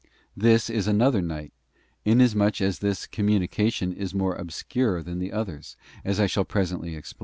This is another night, inasmuch as this communica tion is more obscure than the others, as I shall presently * Tob, vi.